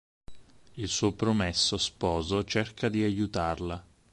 Il suo promesso sposo cerca di aiutarla.